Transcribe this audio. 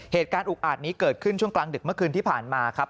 เหตุการณ์อุกอาจนี้เกิดขึ้นช่วงกลางดึกเมื่อคืนที่ผ่านมาครับ